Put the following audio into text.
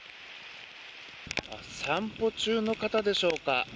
散歩中の方でしょうか。